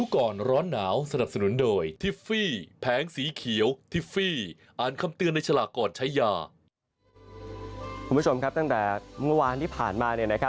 คุณผู้ชมครับตั้งแต่เมื่อวานที่ผ่านมา